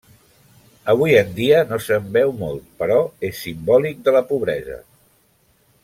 Avui en dia no se'n veu molt però és simbòlic de la pobresa.